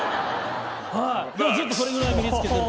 はいでもずっとそれぐらい身につけてる。